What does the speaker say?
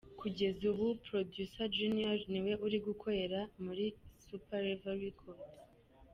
Kugeza ubu, Producer Junior ni we uri gukorera muri Super Level Records.